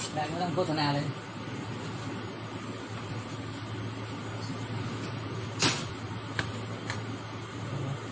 น้ำน้ำส่งแล้วหรอ